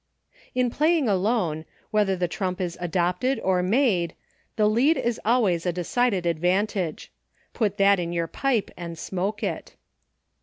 In Playing Alone, whether the trump is adopted or made, the lead is always a deci ded advantage,. "Put that in your pipe, and smoke it.